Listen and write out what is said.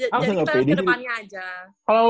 jadi kita harus ke depannya aja